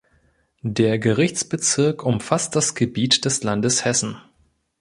Der Gerichtsbezirk umfasst das Gebiet des Landes Hessen.